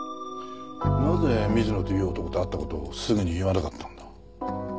なぜ水野という男と会った事をすぐに言わなかったんだ？